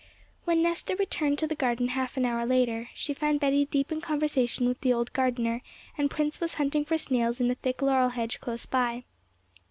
When Nesta returned to the garden half an hour after, she found Betty deep in conversation with the old gardener, and Prince was hunting for snails in a thick laurel hedge close by.